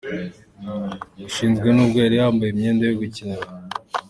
ushize nubwo yari yambaye imyenda yo gukinana.